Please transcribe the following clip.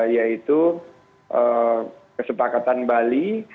yaitu kesepakatan bali